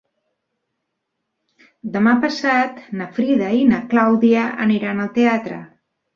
Demà passat na Frida i na Clàudia aniran al teatre.